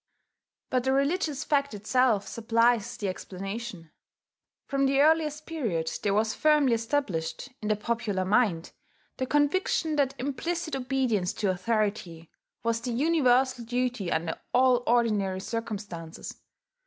But the religious fact itself supplies the explanation. From the earliest period there was firmly established, in the popular mind, the conviction that implicit obedience to authority was the universal duty under all ordinary circumstances.